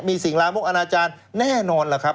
มีสิ่งลามกอนาจารย์แน่นอนล่ะครับ